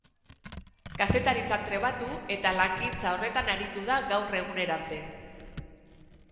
Kazetaritzan trebatu eta langintza horretan aritu da gaur egunera arte.